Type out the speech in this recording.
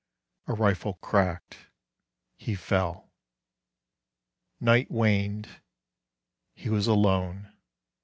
A rifle cracked. He fell. Night waned. He was alone.